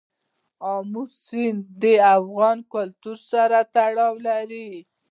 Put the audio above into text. آمو سیند د افغان کلتور سره تړاو لري.